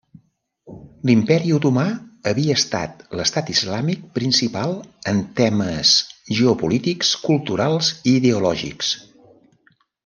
L'Imperi otomà havia estat l'estat islàmic principal en termes geopolítics, culturals i ideològics.